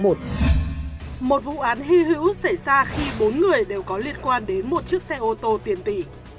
một vụ án hy hữu xảy ra khi bốn người đều có liên quan đến một chiếc xe ô tô tiền tỷ